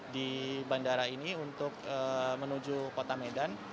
di bandara ini untuk menuju kota medan